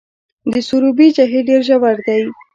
د سروبي جهیل ډیر ژور دی